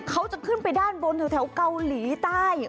เขาจะขึ้นไปด้านบนแถวเกาหลีใต้